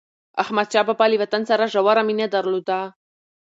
احمدشاه بابا له وطن سره ژوره مینه درلوده.